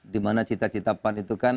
di mana cita citapan itu kan